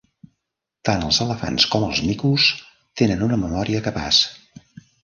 Tant els elefants com els micos tenen una memòria capaç.